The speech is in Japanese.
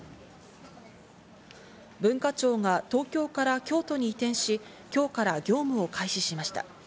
文化庁が東京から京都に移転し、今日から業務を開始しました。